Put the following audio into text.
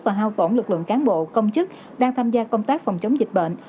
và hao tổn lực lượng cán bộ công chức đang tham gia công tác phòng chống dịch bệnh